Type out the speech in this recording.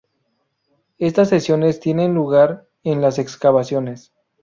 Estas sesiones tienen lugar en las excavaciones.